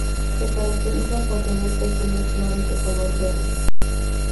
Se caracterizan por tener pequeñas flores de color verde.